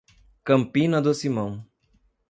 Campina do Simão